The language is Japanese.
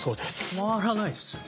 回らないですよね？